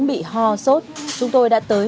bị ho sốt chúng tôi đã tới